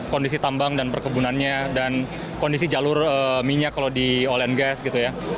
kondisi tambang dan perkebunannya dan kondisi jalur minyak kalau di olen gas gitu ya